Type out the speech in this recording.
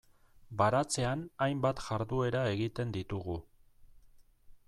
Baratzean hainbat jarduera egiten ditugu.